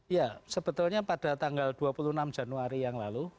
ya sebetulnya pada tanggal dua puluh enam januari yang lalu